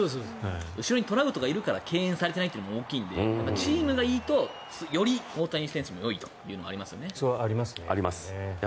後ろにトラウトがいるから敬遠されていないというのも大きいのでチームがいいと、より大谷選手もよいというのがありますよね。